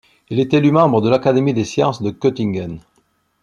Il est élu membre de l'Académie des sciences de Göttingen.